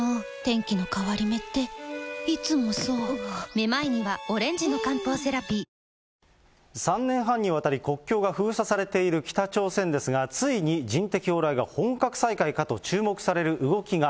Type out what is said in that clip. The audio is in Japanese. めまいにはオレンジの漢方セラピー３年半にわたり国境が封鎖されている北朝鮮ですが、ついに人的往来が本格再開かと注目される動きが。